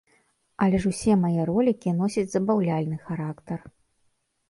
Але ж усе мае ролікі носяць забаўляльны характар.